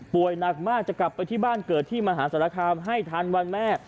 หนักมากจะกลับไปที่บ้านเกิดที่มหาศาลคามให้ทันวันแม่